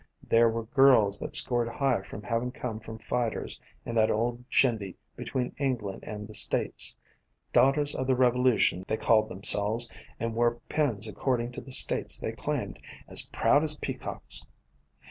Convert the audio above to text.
There were girls that scored high from having come from fighters in that old shindy between England and the States — Daughters of the Revolution, they called themselves, and wore pins according to the States they claimed, as proud as peacocks.